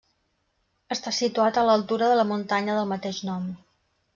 Està situat a l'altura de la muntanya del mateix nom.